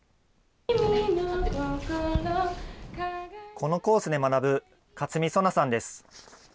このコースで学ぶ勝見奏花さんです。